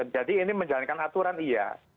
jadi ini menjalankan aturan iya